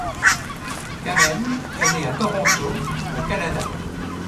Kamen est né à Toronto, au Canada.